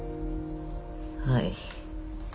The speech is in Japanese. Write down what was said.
はい。